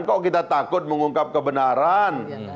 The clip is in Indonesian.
kok kita takut mengungkap kebenaran